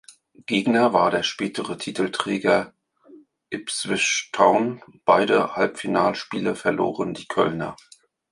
Gegner war der spätere Titelträger Ipswich Town, beide Halbfinalspiele verloren die Kölner.